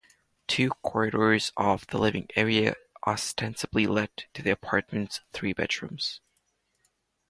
Two corridors off the living area ostensibly led to the apartment's three bedrooms.